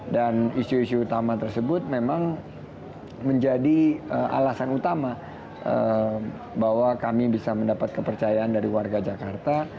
dan isu isu utama tersebut memang menjadi alasan utama bahwa kami bisa mendapat kepercayaan dari warga jakarta